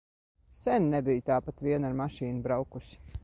Sen nebiju tāpat vien ar mašīnu braukusi.